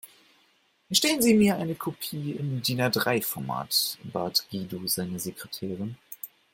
"Erstellen Sie mir eine Kopie im DIN-A-drei Format", bat Guido seine Sekretärin.